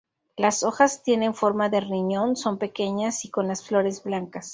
Las hojas tienen forma de riñón, son pequeñas y con las flores blancas.